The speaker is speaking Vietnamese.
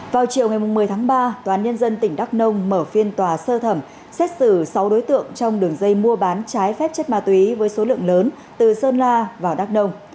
vào chiều ngày một mươi tháng ba tòa án nhân dân tỉnh đắk nông mở phiên tòa sơ thẩm xét xử sáu đối tượng trong đường dây mua bán trái phép chất ma túy với số lượng lớn từ sơn la vào đắk nông